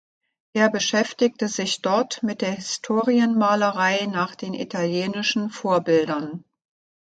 Er beschäftigte sich dort mit der Historienmalerei nach den italienischen Vorbildern.